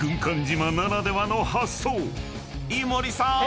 ［井森さーん！